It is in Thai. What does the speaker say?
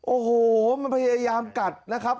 โอ้โหมันพยายามกัดนะครับ